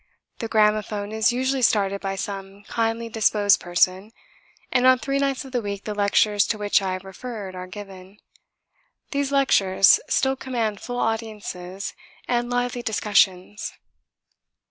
The gramophone is usually started by some kindly disposed person, and on three nights of the week the lectures to which I have referred are given. These lectures still command full audiences and lively discussions.